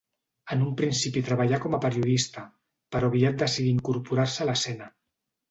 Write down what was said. En un principi treballà com a periodista, però aviat decidí incorporar-se a l'escena.